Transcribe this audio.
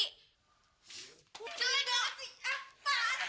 kelegaan siapaan sih